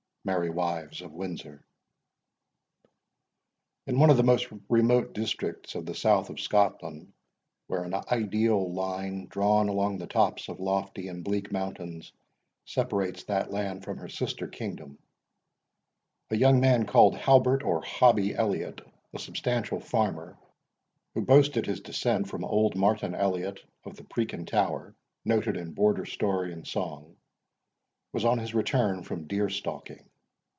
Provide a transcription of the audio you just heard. MERRY WIVES OF WINDSOR. In one of the most remote districts of the south of Scotland, where an ideal line, drawn along the tops of lofty and bleak mountains, separates that land from her sister kingdom, a young man, called Halbert, or Hobbie Elliot, a substantial farmer, who boasted his descent from old Martin Elliot of the Preakin tower, noted in Border story and song, was on his return from deer stalking.